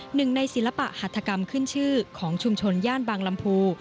หนึ่งในศิลปะหัฐกรรมขึ้นชื่อของชุมชนย่านบางลำพู